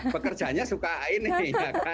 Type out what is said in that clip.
pekerjanya suka ini ya kan